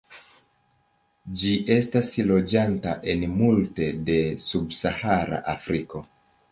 Ĝi estas loĝanta en multe de subsahara Afriko.